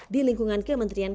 di lingkungan kementerian